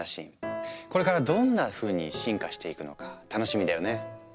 これからどんなふうに進化していくのか楽しみだよね。